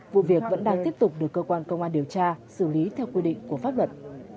vụ việc vẫn đang tiếp tục được cơ quan công an điều tra xử lý theo quy định của pháp luật